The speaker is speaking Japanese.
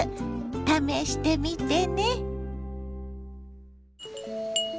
試してみてね。